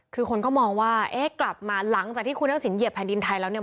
คือคนก็มองว่าเอ๊ะกลับมาหลังจากที่คุณทักษิณเหยียบแผ่นดินไทยแล้วเนี่ย